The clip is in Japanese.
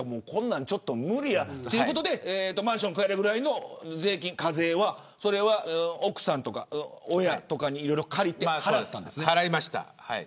ちょっと無理や、ということでマンション買えるぐらいの税金、課税は奥さんや親とかにいろいろ借りて払ったん払いました。